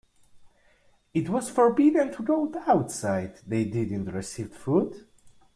It was forbidden to go outside, they didn't received food.